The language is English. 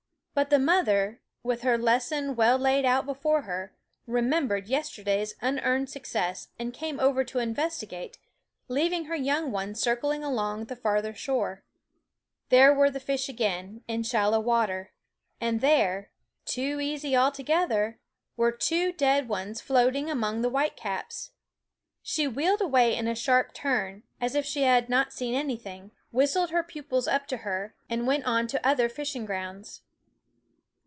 But the mother, with her lesson well laid out before her, remembered yesterday's unearned success and came over to investigate, leaving her young ones circling along the farther shore. There were the fish again, in shallow water; and there too easy altogether ! were two dead ones floating among the whitecaps. She wheeled away in a sharp turn, as if she had not seen anything, THE WOODS 9 whistled her pupils up to her, and went on to other fishing grounds.